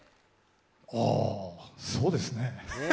ああ、そうですね。